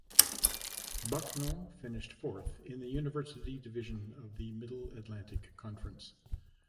Bucknell finished fourth in the University Division of the Middle Atlantic Conference.